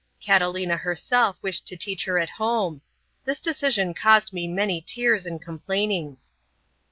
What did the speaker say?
Catalina herself wished to teach her at home. This decision caused me many tears and complainings.